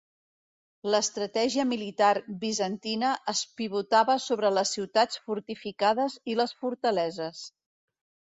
L'estratègia militar bizantina es pivotava sobre les ciutats fortificades i les fortaleses.